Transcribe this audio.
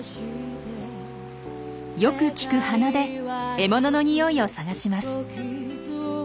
よく利く鼻で獲物の匂いを探します。